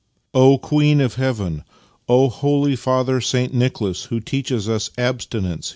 " O Queen of Heaven! O Holy Father Saint Nicholas who teachest us abstinence!